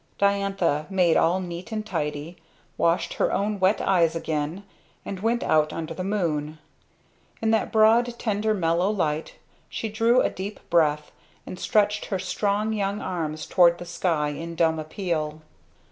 Diantha made all neat and tidy; washed her own wet eyes again, and went out under the moon. In that broad tender mellow light she drew a deep breath and stretched her strong young arms toward the sky in dumb appeal.